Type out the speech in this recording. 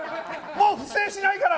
もう不正しないから！